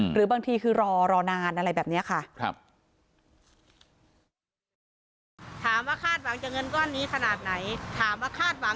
หรือบางทีคือรอนานอะไรแบบนี้ค่ะ